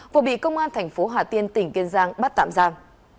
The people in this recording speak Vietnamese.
vừa bị công an thành phố hà tiên tỉnh kiên giang bắt tạm giam